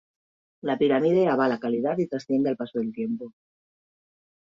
La pirámide avala calidad y trasciende al paso del tiempo.